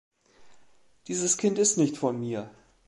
Dieses Kind ist nicht von mir!